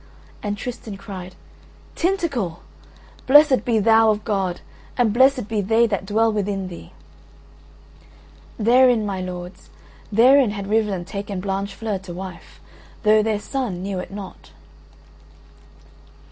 And Tristan cried: "Tintagel! Blessed be thou of God, and blessed be they that dwell within thee." (Therein, my lords, therein had Rivalen taken Blanchefleur to wife, though their son knew it not.)